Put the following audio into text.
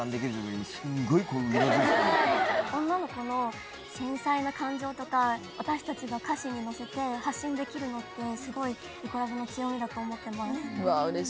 女の子の繊細な感情とか私たちが歌詞に乗せて発信できるのってすごいイコラブの強みだと思ってます。